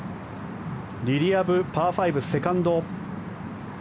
リリア・ブ、パー５セカンド。